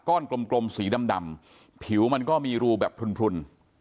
กลมสีดำผิวมันก็มีรูแบบพลุน